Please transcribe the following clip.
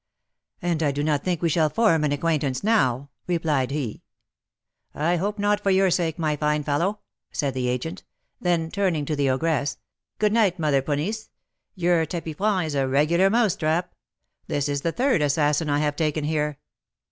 "And I do not think we shall form an acquaintance now," replied he. "I hope not, for your sake, my fine fellow," said the agent; then, turning to the ogress, "Good night, Mother Ponisse; your tapis franc is a regular mouse trap; this is the third assassin I have taken here."